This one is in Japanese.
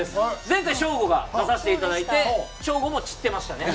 前回ショーゴが出させていただいてショーゴも散ってましたね。